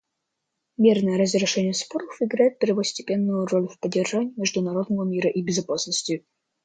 Мирное разрешение споров играет первостепенную роль в поддержании международного мира и безопасности.